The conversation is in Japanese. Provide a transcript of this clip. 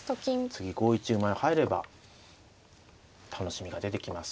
次５一馬へ入れば楽しみが出てきます。